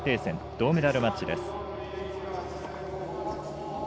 銅メダルマッチです。